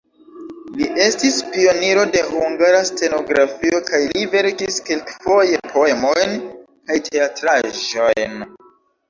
Li estis pioniro de hungara stenografio kaj li verkis kelkfoje poemojn kaj teatraĵojn.